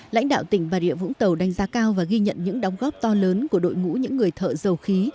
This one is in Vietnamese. lãnh đạo tỉnh bà rịa vũng tàu đánh giá cao và ghi nhận những đóng góp to lớn của đội ngũ những người thợ dầu khí